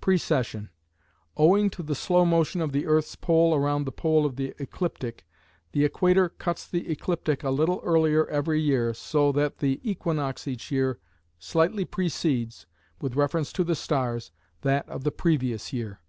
Precession: Owing to the slow motion of the earth's pole around the pole of the ecliptic, the equator cuts the ecliptic a little earlier every year, so that the equinox each year slightly precedes, with reference to the stars, that of the previous year.